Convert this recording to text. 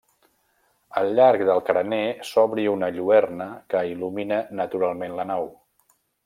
Al llarg del carener s'obri una lluerna que il·lumina naturalment la nau.